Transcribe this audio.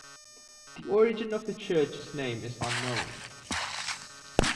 The origin of the church's name is unknown.